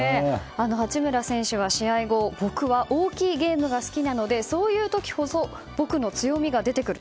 八村選手は試合後僕は大きいゲームが好きなのでそういう時ほど僕の強みが出てくる。